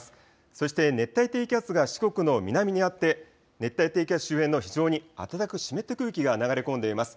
そして熱帯低気圧が四国の南にあって熱帯低気圧周辺の非常に暖かく湿った空気が流れ込んでいます。